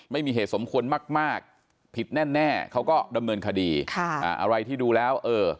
ไม่มีเหตุสมควรมากผิดแน่เขาก็ดำเนินคดีอะไรที่ดูแล้วเออ